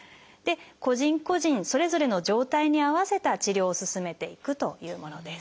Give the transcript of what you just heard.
個人個人それぞれの状態に合わせた治療を進めていくというものです。